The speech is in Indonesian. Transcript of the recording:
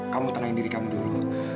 kamu tenangin diri kamu dulu